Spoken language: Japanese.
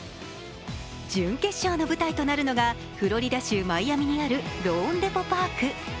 準決勝の舞台となるのがフロリダ州マイアミにあるローンデポ・パーク。